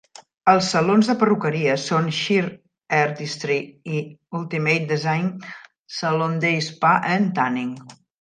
Els salons de perruqueria són Shear Artistry i Ultimate Design Salon Day Spa and Tanning.